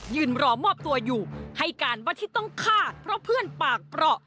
รอมอบตัวอยู่ให้การว่าที่ต้องฆ่าเพราะเพื่อนปากเปราะ